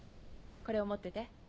これを持ってて。